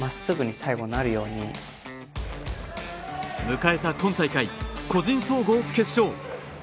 迎えた今大会、個人総合決勝。